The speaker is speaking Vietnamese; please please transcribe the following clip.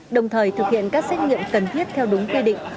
đồng thời thực hiện các xét nghiệm cần thiết theo đúng quy định